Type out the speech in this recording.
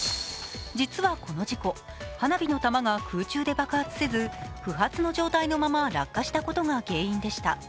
実はこの事故、花火の玉が空中で爆発せず、不発の状態のまま落下したことが原因でした。